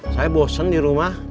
saya bosen di rumah